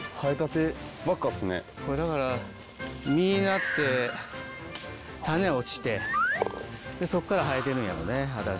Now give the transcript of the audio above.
これだから実なって種落ちてそっから生えてるんやろうね新しく。